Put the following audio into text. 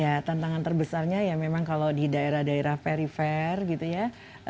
ya tantangan terbesarnya ya memang kalau di daerah daerah perifer gitu ya